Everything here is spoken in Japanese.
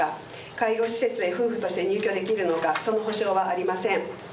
介護施設へ夫婦として入居できるのかその保証はありません。